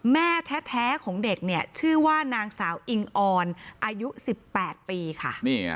แม่แท้ของเด็กเนี่ยชื่อว่านางสาวอิงออนอายุ๑๘ปีค่ะ